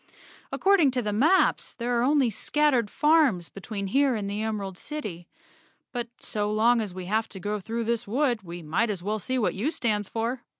According to the maps there are only scattered farms between here and the Emerald City. But so long as we have to go through this wood, we might as well see what U stands for."